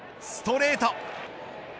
ストレート。